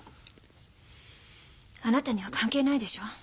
あなたには関係ないでしょ。